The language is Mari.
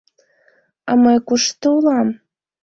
— А мый кушто улам?